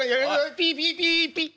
ピピピピッ！